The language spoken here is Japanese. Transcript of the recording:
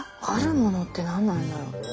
あるものって何なんだろう？